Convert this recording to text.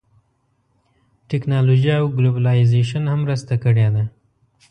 ټیکنالوژۍ او ګلوبلایزېشن هم مرسته کړې ده